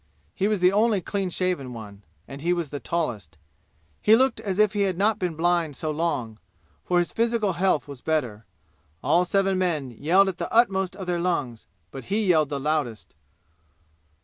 He was the only clean shaven one, and he was the tallest. He looked as if he had not been blind so long, for his physical health was better. All seven men yelled at the utmost of their lungs, but he yelled the loudest.